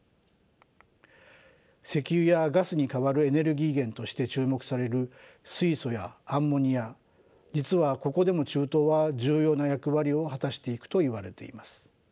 石油やガスに代わるエネルギー源として注目される水素やアンモニア実はここでも中東は重要な役割を果たしていくといわれています。